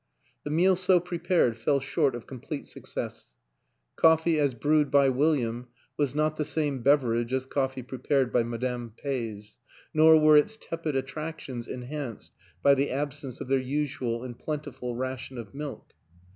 The meal so prepared fell short of complete success; coffee as brewed by William was not the same beverage as coffee prepared by Madame Peys, nor were its tepid attractions enhanced by the ab sence of their usual and plentiful ration of milk.